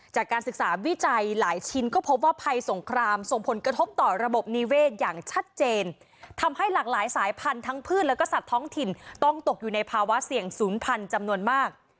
จากการศึกษาวิจัยหลายชิ้นก็พบว่าภัยสงครามส่งผลกระทบต่อระบบนิเวศอย่างชัดเจนทำให้หลากหลายสายพันธุ์ทั้งพืชแล้วก็สัตว์ท้องถิ่นต้องตกอยู่ในภาวะเสี่ยงศูนย์พันธุ์จำนวนมาก